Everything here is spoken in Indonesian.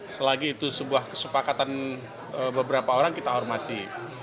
selagi itu sebuah kesepakatan beberapa orang kita hormati